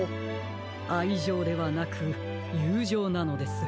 あいじょうではなくゆうじょうなのです。